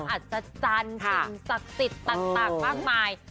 อาจจะจันทรีย์ศักดิ์สิทธิ์ต่างมากมาย